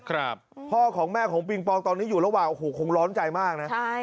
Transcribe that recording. ครับพ่อของแม่ของปิงปองตอนนี้อยู่ระหว่างโอ้โหคงร้อนใจมากนะใช่